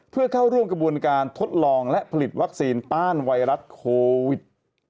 เพื่อเข้าร่วมกระบวนการทดลองและผลิตวัคซีนต้านไวรัสโควิด